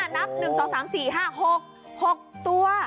นับ๑๒๓๔๕๖๖ตัว